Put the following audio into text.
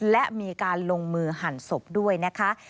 และมีการลงมือหั่นศพด้วยนะคะ